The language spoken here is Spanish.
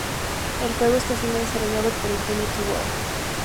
El juego está siendo desarrollado por Infinity Ward.